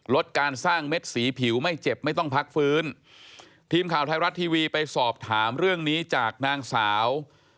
ลดการสร้างเม็ดสีผิวไม่เจ็บไม่ต้องพักฟื้นทีมข่าวไทยรัฐทีวีไปสอบถามเรื่องนี้จากนางสาว